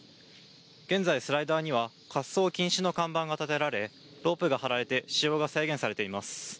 現在スライダーには滑走禁止の看板が立てられロープが張られて使用が制限されています。